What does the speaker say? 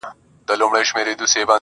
اوس به څوك ځي په اتڼ تر خيبرونو،